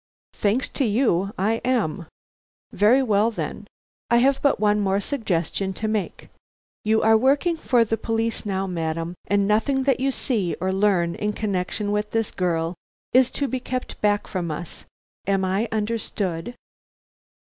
"Thanks to you, I am." "Very well, then, I have but one more suggestion to make. You are working for the police now, madam, and nothing that you see or learn in connection with this girl is to be kept back from us. Am I understood?"